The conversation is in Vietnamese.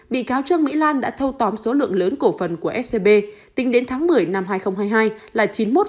bị cáo trương mỹ lan đã thâu tóm số lượng lớn cổ phần của scb tính đến tháng một mươi năm hai nghìn hai mươi hai là chín mươi một